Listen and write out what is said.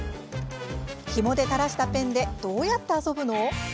ひもで垂らしたペンでどうやって遊ぶの？